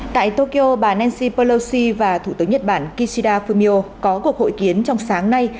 tại tokyo bà ncy pelosi và thủ tướng nhật bản kishida fumio có cuộc hội kiến trong sáng nay